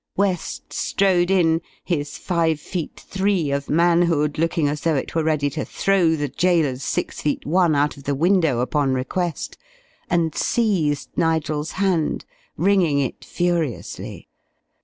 West strode in, his five feet three of manhood looking as though it were ready to throw the jailer's six feet one out of the window upon request, and seized Nigel's hand, wringing it furiously.